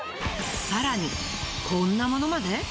更にこんなものまで？